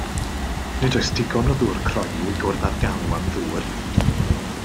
Nid oes digon o ddŵr croyw i gwrdd â'r galw am ddŵr.